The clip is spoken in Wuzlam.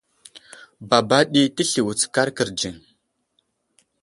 Baba ɗi təsli wutskar kərdziŋ.